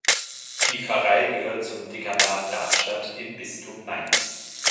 Die Pfarrei gehört zum Dekanat Darmstadt im Bistum Mainz.